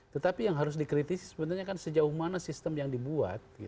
tetapi yang harus dikritisi sebenarnya kan sejauh mana sistem yang dibuat